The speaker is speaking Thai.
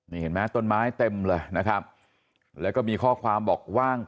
นี่เห็นไหมต้นไม้เต็มเลยนะครับแล้วก็มีข้อความบอกว่าง